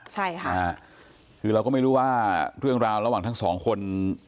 ใช่ค่ะคือเราก็ไม่รู้ว่าเรื่องราวระหว่างทั้งสองคน